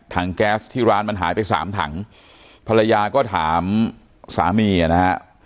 แก๊สที่ร้านมันหายไปสามถังภรรยาก็ถามสามีอ่ะนะฮะ